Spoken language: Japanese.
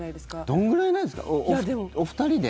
どんぐらいなんですかお２人で？